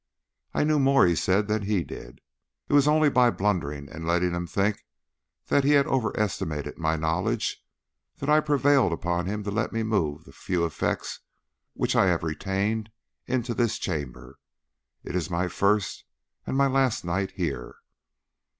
I knew more, he said, than he did. It was only by blundering, and letting him think that he had over estimated my knowledge, that I prevailed upon him to let me move the few effects which I have retained into this chamber. It is my first and my last night here.